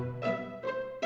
tapi belum dapat juga